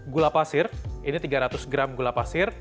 gula pasir ini tiga ratus gram gula pasir